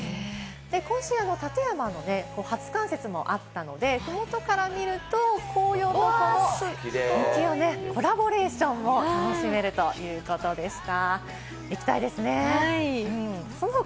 今週、立山の初冠雪もあったので、麓から見ると紅葉と雪のコラボレーションも楽しめるということでした。